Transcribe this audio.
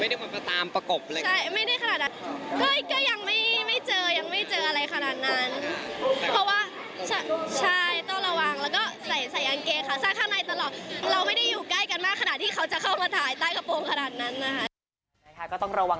ไม่ได้มาตามประกบอะไรอย่างนั้นค่ะใช่ไม่ได้ขนาดนั้น